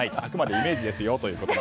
あくまでイメージです